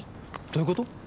どういうこと？